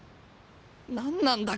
何なんだ？